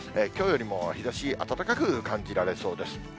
きょうよりも日ざし、暖かく感じられそうです。